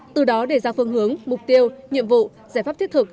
từ đó đề ra phương hướng mục tiêu nhiệm vụ giải pháp thiết thực